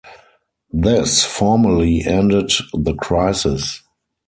This formally ended the crisis.